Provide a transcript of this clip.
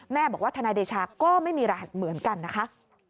แม่บอกว่าทนายเดชาก็ไม่มีรหัสเหมือนกันนะคะ